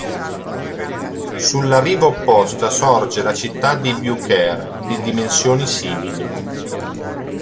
Sulla riva opposta sorge la città di Beaucaire, di dimensioni simili.